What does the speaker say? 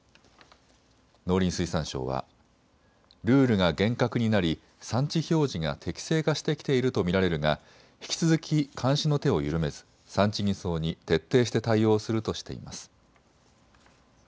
農林水産省はルールが厳格になり産地表示が適正化してきていると見られるが引き続き監視の手を緩めず産地偽装に徹底して対応するとしています。